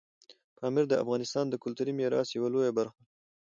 پامیر د افغانستان د کلتوري میراث یوه لویه برخه ده.